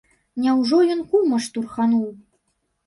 Няўжо ён кума штурхануў?